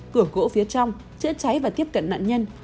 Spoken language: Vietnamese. cửa gỗ phía trong chữa cháy và tiếp cận nạn nhân